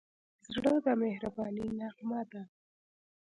زړه د مهربانۍ نغمه ده.